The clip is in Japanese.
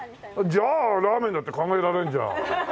じゃあラーメンだって考えられるじゃん。